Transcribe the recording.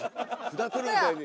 札取るみたいに。